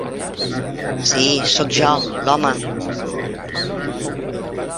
Sí, soc jo, l'home.